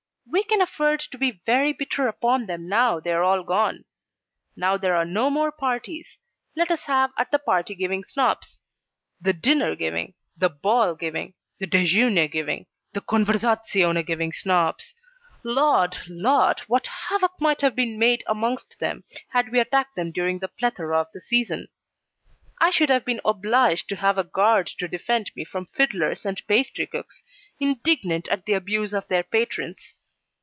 We can afford to be very bitter upon them now they are all gone. Now there are no more parties, let us have at the Party giving Snobs. The dinner giving, the ball giving, the DEJEUNER giving, the CONVERSAZIONE GIVING Snobs Lord! Lord! what havoc might have been made amongst them had we attacked them during the plethora of the season! I should have been obliged to have a guard to defend me from fiddlers and pastrycooks, indignant at the abuse of their patrons.